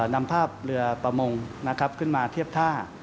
นำภาพเรือประมงขึ้นมาเทียบท่า